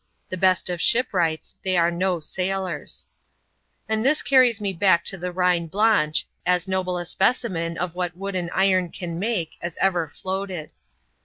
The best of shipwrights, they are no sailors. And this carries me back to the Heine Blanche, as noble a specimen of what wood and iron can make as ever floated.